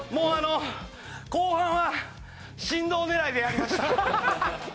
後半は振動狙いでやりました。